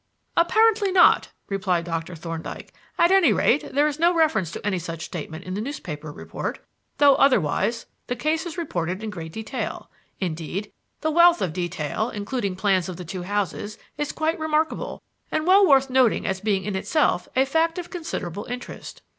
"Apparently not," replied Dr. Thorndyke; "at any rate, there is no reference to any such statement in the newspaper report, though otherwise, the case is reported in great detail; indeed, the wealth of detail, including plans of the two houses, is quite remarkable and well worth noting as being in itself a fact of considerable interest."